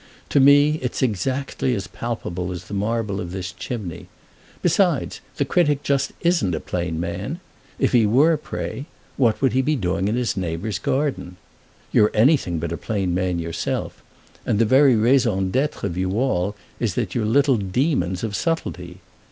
To me it's exactly as palpable as the marble of this chimney. Besides, the critic just isn't a plain man: if he were, pray, what would he be doing in his neighbour's garden? You're anything but a plain man yourself, and the very raison d'être of you all is that you're little demons of subtlety.